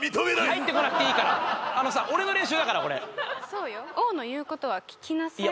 入ってこなくていいからあのさ俺の練習だからこれ「そうよ王の言うことは聞きなさい」